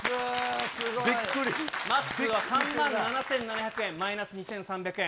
まっすーは、３万７７００円、マイナス２３００円。